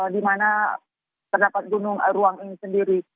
di mana terdapat gunung ruang ini sendiri